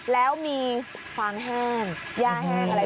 แล้วมีฟางแห้งย่าแห้งอะไรพวกนี้อยู่ด้วย